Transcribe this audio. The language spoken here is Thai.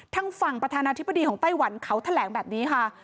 ทางฝั่งประธานาธิบดีของไต้หวันเขาแถลงแบบนี้ค่ะ